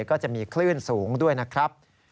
ก็จะมีคลื่นสูงด้วยนะครับ